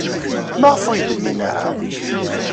Maɣef ur iyi-d-nnin ara?